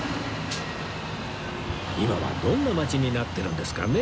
今はどんな街になってるんですかね？